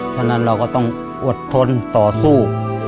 เพราะฉะนั้นเราก็ต้องอดทนต่อสู้